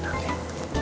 eh rena pake senangnya